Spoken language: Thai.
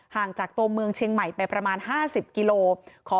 ห่างจากตัวเมืองเชียงใหม่ไปประมาณ๕๐กิโล